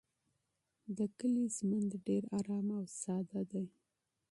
د کلي ژوند ډېر ارام او ساده دی.